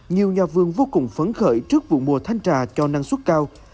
nhiều nhà vườn vô cùng phấn khởi trước vụ mùa thanh trà cho năng suất cao